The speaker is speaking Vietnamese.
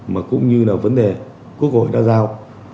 mà cũng như là vấn đề quốc hội đã giao